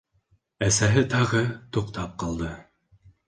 Әсәһе тағы туҡтап ҡалды.